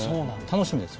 楽しみです。